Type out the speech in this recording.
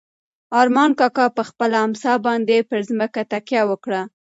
ارمان کاکا په خپله امسا باندې پر ځمکه تکیه وکړه.